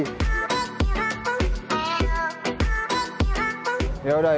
pasar buah brastagi